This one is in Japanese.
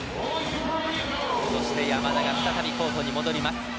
山田が再びコートに戻ります。